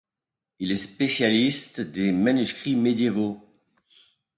Il est spécialiste des manuscrits médiévaux.